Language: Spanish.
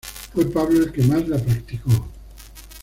Fue Pablo el que más la practicó.